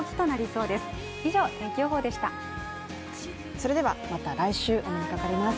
それではまた来週お目にかかります。